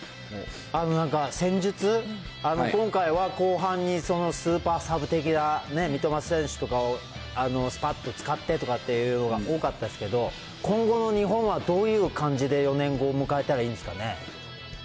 なんか戦術、今回は後半にスーパーサブ的な三笘選手とかをすぱっと使ってとかっていうのが多かったんですけど、今後の日本はどういう感じで４年後を迎えたらいいんですかね。